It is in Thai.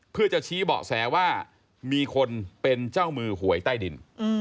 เพื่อจะชี้เบาะแสว่ามีคนเป็นเจ้ามือหวยใต้ดิน